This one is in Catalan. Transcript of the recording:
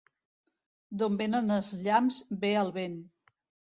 D'on venen els llamps ve el vent.